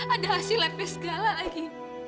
ada hasil labnya segala lagi